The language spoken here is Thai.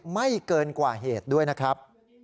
ไม่เกินกว่าเหตุด้วยนะครับ